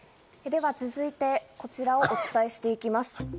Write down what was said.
では続いて、こちらをお伝えしていきます。